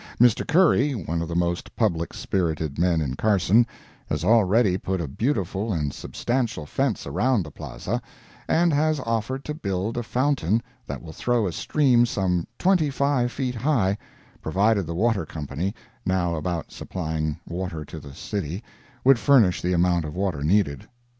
Mr. Curry, one of the most public spirited men in Carson, has already put a beautiful and substantial fence around the Plaza, and has offered to build a fountain that will throw a stream some twenty five feet high, provided the Water Company, now about supplying water to the city, would furnish the amount of water needed.